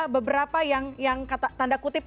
beberapa yang tanda kutip